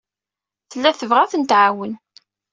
Tella tebɣa ad tent-tɛawen.